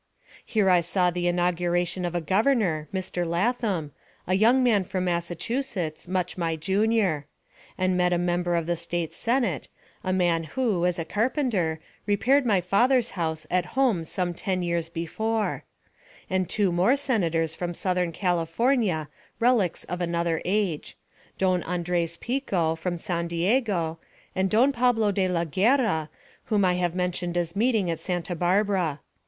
Here I saw the inauguration of a Governor, Mr. Latham, a young man from Massachusetts, much my junior; and met a member of the State Senate, a man who, as a carpenter, repaired my father's house at home some ten years before; and two more Senators from southern California, relics of another age, Don Andres Pico, from San Diego; and Don Pablo de la Guerra, whom I have mentioned as meeting at Santa Barbara.